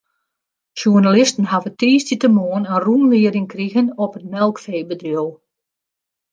Sjoernalisten hawwe tiisdeitemoarn in rûnlieding krigen op it melkfeebedriuw.